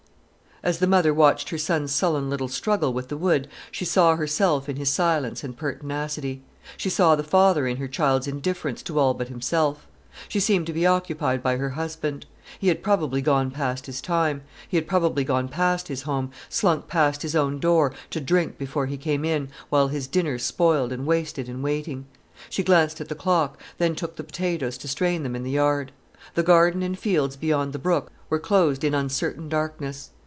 As the mother watched her son's sullen little struggle with the wood, she saw herself in his silence and pertinacity; she saw the father in her child's indifference to all but himself. She seemed to be occupied by her husband. He had probably gone past his home, slunk past his own door, to drink before he came in, while his dinner spoiled and wasted in waiting. She glanced at the clock, then took the potatoes to strain them in the yard. The garden and fields beyond the brook were closed in uncertain darkness.